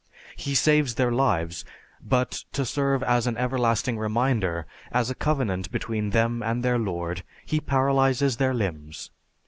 He saves their lives, but to serve as an everlasting reminder, as a covenant between them and their Lord, He paralyzes their limbs.